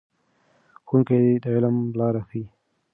ښوونکي د علم لارې ښیي.